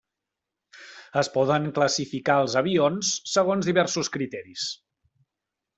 Es poden classificar els avions segons diversos criteris.